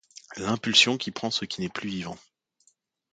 L'impulsion qui prend ce qui n'est plus vivant